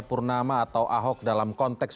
purnama atau ahok dalam konteks